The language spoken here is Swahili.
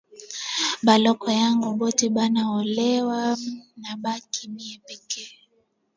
Baloko yangu bote banaolewa nabaki mie peke